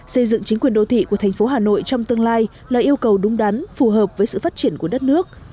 xây dựng chính quyền đô thị của thành phố hà nội trong tương lai là yêu cầu đúng đắn phù hợp với sự phát triển của đất nước